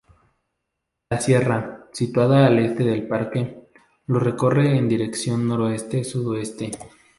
La sierra, situada al Este del parque, lo recorre en dirección noroeste-sudeste.